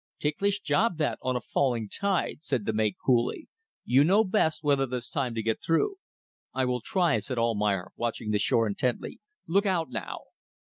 "Ticklish job that, on a falling tide," said the mate, coolly. "You know best whether there's time to get through." "I will try," said Almayer, watching the shore intently. "Look out now!"